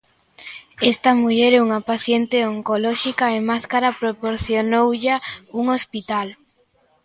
Esta muller é unha paciente oncolóxica e máscara proporcionoulla un hospital.